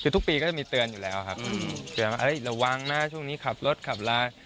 คือทุกปีก็จะมีเตือนอยู่แล้วครับเตือนว่าระวังนะช่วงนี้ขับรถขับลา